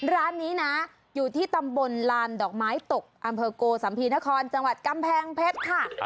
ร้านนี้นะอยู่ที่ตำบลลานดอกไม้ตกอำเภอโกสัมภีนครจังหวัดกำแพงเพชรค่ะ